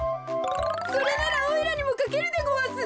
それならおいらにもかけるでごわす。